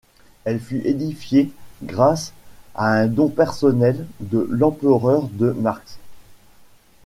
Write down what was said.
Elle fut édifiée grâce à un don personnel de l'empereur de marks.